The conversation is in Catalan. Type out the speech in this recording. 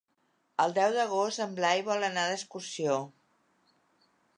El deu d'agost en Blai vol anar d'excursió.